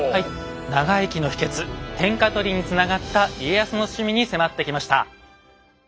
長生きの秘けつ天下取りにつながった家康の趣味に迫ってきました。